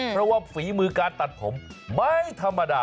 เพราะว่าฝีมือการตัดผมไม่ธรรมดา